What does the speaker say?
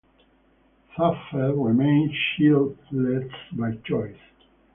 Zapffe remained childless by choice.